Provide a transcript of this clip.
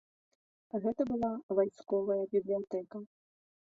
Гэта была вайсковая бібліятэка.